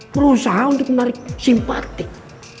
berusaha untuk menarik simpatik